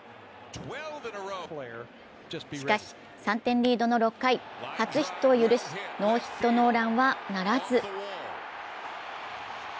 しかし、３点リードの６回、初ヒットを許しノーヒットノーランはならず。